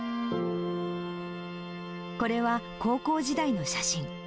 これは高校時代の写真。